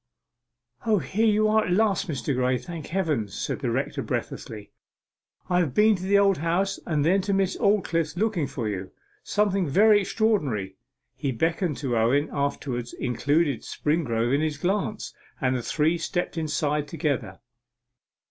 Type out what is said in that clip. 'O, here you are at last, Mr. Graye, thank Heaven!' said the rector breathlessly. 'I have been to the Old House, and then to Miss Aldclyffe's looking for you something very extraordinary.' He beckoned to Owen, afterwards included Springrove in his glance, and the three stepped aside together.